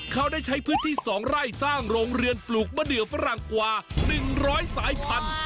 เขาได้ใช้พื้นที่๒ไร่สร้างโรงเรือนปลูกมะเดือฝรั่งกว่า๑๐๐สายพันธุ